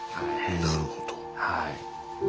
なるほど。